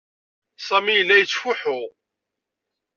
Sami yella yettfuḥu.